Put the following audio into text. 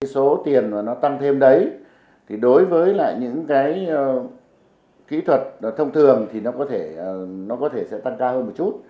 số tiền nó tăng thêm đấy thì đối với những cái kỹ thuật thông thường thì nó có thể sẽ tăng cao hơn một chút